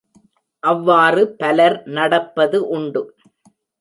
அவ்வாறு பலர் நடப்பது உண்டு.